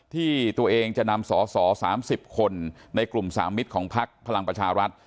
ที่ตัวเองจะนำสอสอ๓๐คนในกลุ่มสามมิตรของพักพลังประชารัฐ